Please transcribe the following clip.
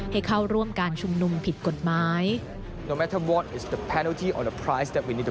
ให้เข้าร่วมการชุมนุมผิดกฎหมาย